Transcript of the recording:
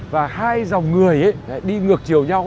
và hai dòng người đi ngược chiều nhau